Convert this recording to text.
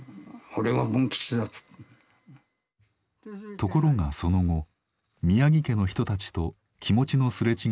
ところがその後宮城家の人たちと気持ちの擦れ違いが重なります。